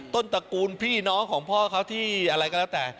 ตระกูลพี่น้องของพ่อเขาที่อะไรก็แล้วแต่